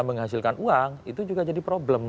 menghasilkan uang itu juga jadi problem